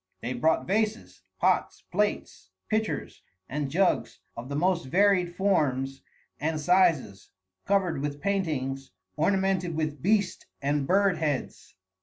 They brought vases, pots, plates, pitchers, and jugs of the most varied forms and sizes, covered with paintings ornamented with beast and bird heads.